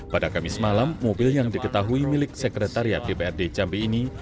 pada kamis malam mobil yang diketahui milik sekretariat dprd jambi ini